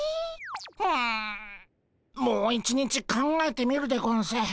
うんもう一日考えてみるでゴンス。